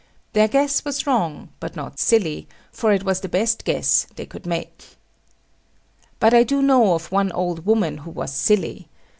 Their guess was wrong, but not silly; for it was the best guess they could make. But I do know of one old woman who was silly.